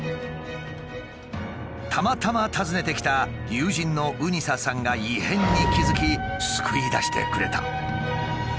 たまたま訪ねて来た友人のうにささんが異変に気付き救い出してくれた。